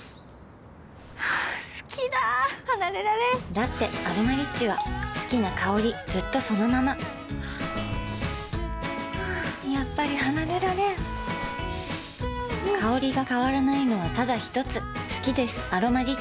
好きだ離れられんだって「アロマリッチ」は好きな香りずっとそのままやっぱり離れられん香りが変わらないのはただひとつ好きです「アロマリッチ」